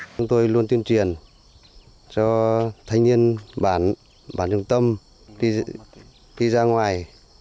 chúng tôi luôn tiêm truyền cho thanh niên bản trung tâm đi ra ngoài